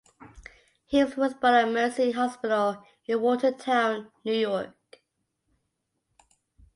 Humes was born at Mercy Hospital in Watertown, New York.